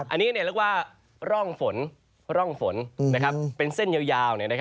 อันนี้เรียกว่าร่องฝนร่องฝนเป็นเส้นยาว